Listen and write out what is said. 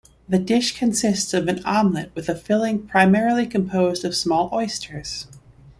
The dish consists of an omelette with a filling primarily composed of small oysters.